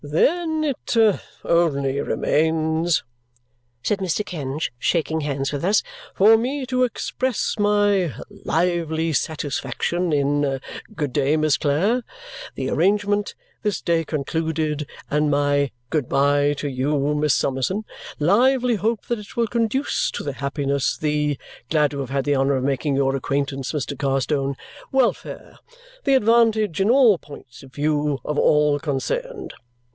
"Then it only remains," said Mr. Kenge, shaking hands with us, "for me to express my lively satisfaction in (good day, Miss Clare!) the arrangement this day concluded and my (GOOD bye to you, Miss Summerson!) lively hope that it will conduce to the happiness, the (glad to have had the honour of making your acquaintance, Mr. Carstone!) welfare, the advantage in all points of view, of all concerned!